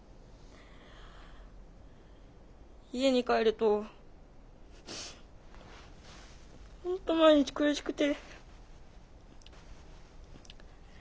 家に帰るとほんと毎日苦しくて。